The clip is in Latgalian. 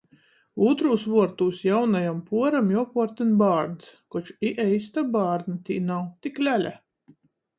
Ūtrūs vuortūs jaunajam puoram juopuortyn bārns, koč i eista bārna tī nav, tik lele.